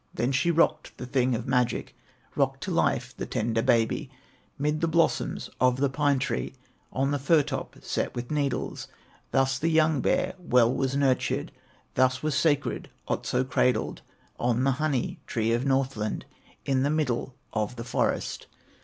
There she rocked the thing of magic, Rocked to life the tender baby, Mid the blossoms of the pine tree, On the fir top set with needles; Thus the young bear well was nurtured, Thus was sacred Otso cradled On the honey tree of Northland, In the middle of the forest.